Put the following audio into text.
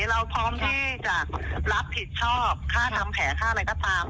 เราพร้อมที่จะรับผิดชอบค่าทำแผลค่าอะไรก็ตาม